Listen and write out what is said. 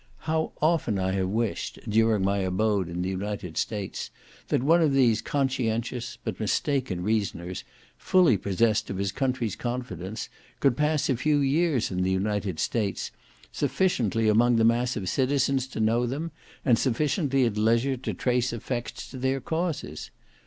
How often have I wished, during my abode in the United States, that one of these conscientious, but mistaken reasoners, fully possessed of his country's confidence, could pass a few years in the United States, sufficiently among the mass of the citizens to know them, and sufficiently at leisure to trace effects to their causes.